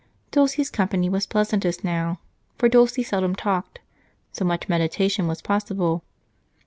Dulce's company was pleasantest now, for Dulce seldom talked, so much meditation was possible.